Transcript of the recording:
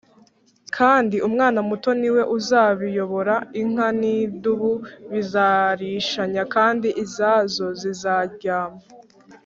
kandi umwana muto ni we uzabiyobora Inka n idubu bizarishanya kandi izazo zizaryama